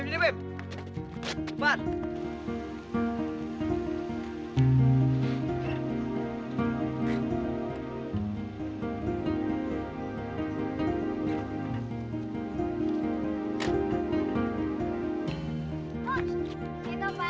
bim jalan bim